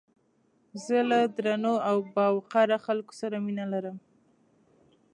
زه له درنو او باوقاره خلکو سره مينه لرم